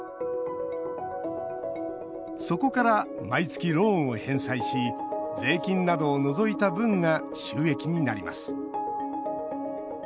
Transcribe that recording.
そこから毎月ローンを返済し税金などを除いた分が収益になります。